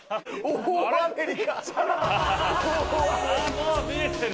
もう見えてる！